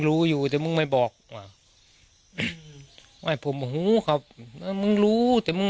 รู้อยู่แต่มึงไม่บอกว่าไม่ผมหูครับมึงรู้แต่มึง